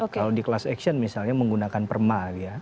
kalau di kelas action misalnya menggunakan perma ya